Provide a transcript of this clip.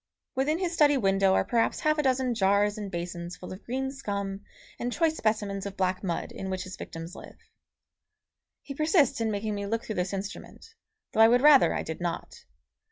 Within his study window are perhaps half a dozen jars and basins full of green scum and choice specimens of black mud in which his victims live. He persists in making me look through this instrument, though I would rather I did not.